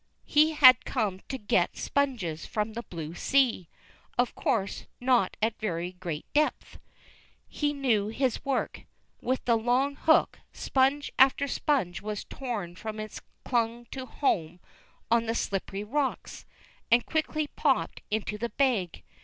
He had come to get sponges from the blue sea. Of course not at very great depth. He knew his work. With the long hook, sponge after sponge was torn from its clung to home on the slippery rocks, and quickly popped into the bag.